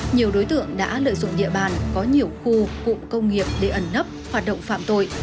nhiều đối tượng đã lợi dụng địa bàn có nhiều khu cụm công nghiệp để ẩn nấp hoạt động phạm tội